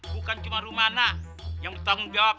bukan cuma rumah anak yang bertanggung jawab